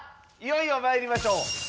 いよいよまいりましょう。